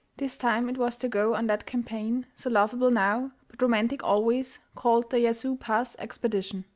This time it was to go on that campaign, so laughable now, but romantic always, called the "Yazoo Pass expedition."